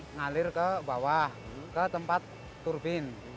ngalir ke bawah ke tempat turbin